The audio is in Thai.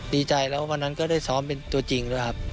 ดีใจแล้ววันนั้นก็ได้ซ้อมเป็นตัวจริง